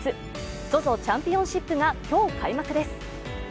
ＺＯＺＯチャンピオンシップが今日、開幕です。